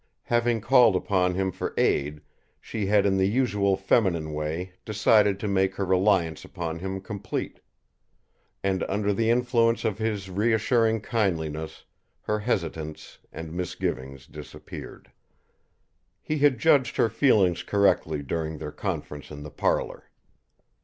Having called upon him for aid, she had in the usual feminine way decided to make her reliance upon him complete. And, under the influence of his reassuring kindliness, her hesitance and misgivings disappeared. He had judged her feelings correctly during their conference in the parlour.